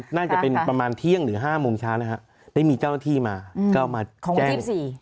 น่าจะเป็นประมาณเที่ยงหรือ๕โมงเช้านะครับได้มีเจ้าหน้าที่มาก็มาแจ้ง